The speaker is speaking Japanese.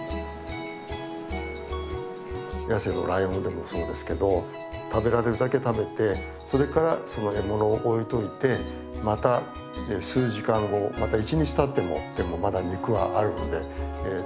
野生のライオンでもそうですけど食べられるだけ食べてそれからその獲物を置いといてまた数時間後また一日たっても肉はあるので食べられる。